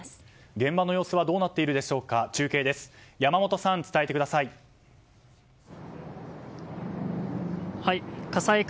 現場の様子はどうなっているでしょうか。